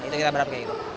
itu kita berharap kayak gitu